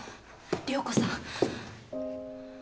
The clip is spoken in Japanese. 涼子さん。